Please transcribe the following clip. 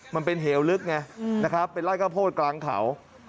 มันเป็นเหลวลึกไงเป็นไร้ก้าโพดกลางเขา